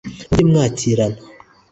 mujye mwakirana